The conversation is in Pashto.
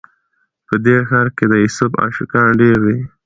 په دې ښار کي د یوسف عاشقان ډیر دي